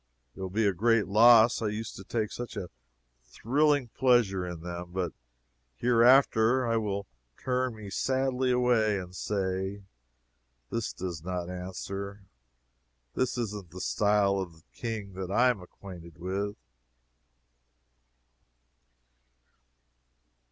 It will be a great loss. I used to take such a thrilling pleasure in them. But, hereafter, I will turn me sadly away and say; "This does not answer this isn't the style of king that I am acquainted with."